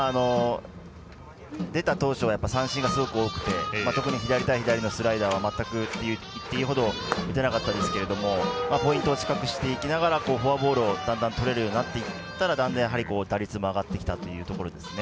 出た当初、三振がすごく多くて特に左対左のスライダーは全くといっていいほど打てなかったですけどポイントを近くしていきながらフォアボールをだんだん取れるようになっていったら打率も上がってきたというところですね。